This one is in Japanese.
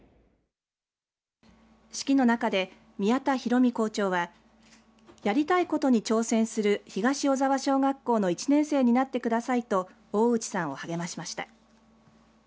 式の中で、宮田弘美校長はやりたいことに挑戦する東小沢小学校の１年生になってくださいと大内さんを励ましました。